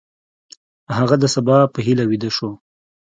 هغه د سبا په هیله ویده شو.